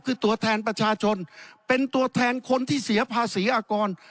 คือตัวแทนประชาชนเป็นตัวแทนคนที่เสียภาษีอากร